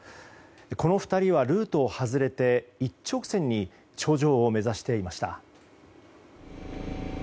この２人はルートを外れて一直線に頂上を目指していました。